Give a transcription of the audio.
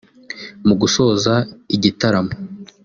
Mu gusoza igitaramo